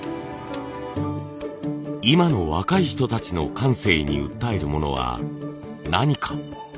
今の若い人たちの感性に訴えるものは何か。